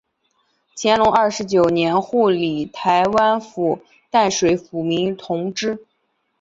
乾隆二十九年护理台湾府淡水抚民同知。